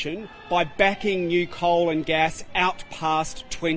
dengan mempertimbangkan gas dan perang